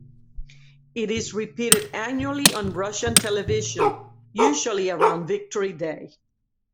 It is repeated annually on Russian television, usually around Victory Day.